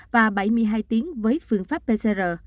và bảy mươi hai tiếng với phương pháp pcr